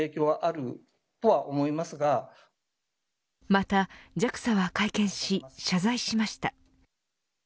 またＪＡＸＡは会見し謝罪しました。